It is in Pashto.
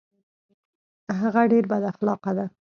هغه ډیر بد اخلاقه ده